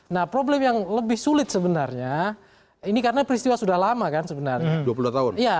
nah problem yang lebih sulit sebenarnya ini karena peristiwa sudah lama kan sebenarnya